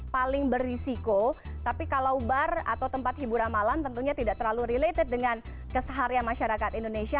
paling berisiko tapi kalau bar atau tempat hiburan malam tentunya tidak terlalu related dengan keseharian masyarakat indonesia